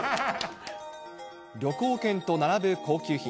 旅行券と並ぶ高級品。